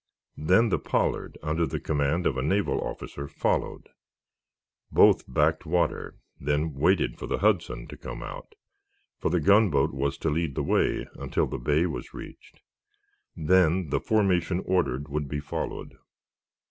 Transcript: Then the "Pollard," under command of a naval officer, followed. Both backed water, then waited for the "Hudson" to come out, for the gunboat was to lead the way until the Bay was reached. Then the formation ordered would be followed.